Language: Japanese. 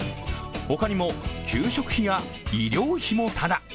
ほかにも給食費や医療費もただ。